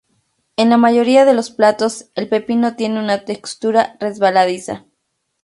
En la mayoría de los platos el pepino tiene una textura resbaladiza.